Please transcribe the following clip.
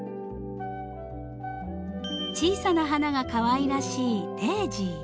小さな花がかわいいらしいデージー。